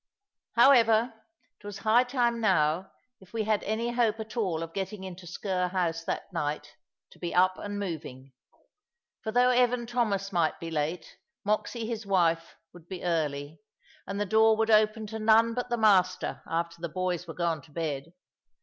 However, it was high time now, if we had any hope at all of getting into Sker house that night, to be up and moving. For though Evan Thomas might be late, Moxy, his wife, would be early; and the door would open to none but the master after the boys were gone to bed.